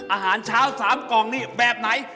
อาหารเช้า๓กล่องนี่แบบไหน